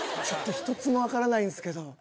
ちょっと１つもわからないんですけど。